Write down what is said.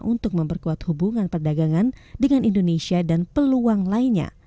untuk memperkuat hubungan perdagangan dengan indonesia dan perusahaan